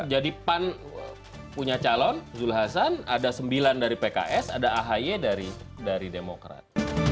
jadi pan punya calon zul hasan ada sembilan dari pks ada ahy dari demokrat